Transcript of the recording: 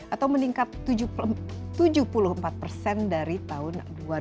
atau meningkat tujuh puluh empat persen dari tahun dua ribu dua puluh